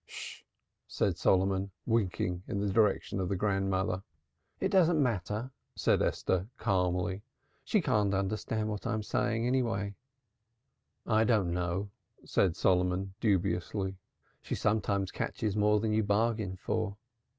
"'Sh," said Solomon, winking in the direction of the grandmother. "It doesn't matter," said Esther calmly. "She can't understand what I'm saying." "I don't know," said Solomon dubiously. "She sometimes catches more than you bargain for."